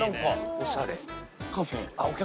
おしゃれ。